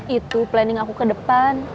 itu planning aku ke depan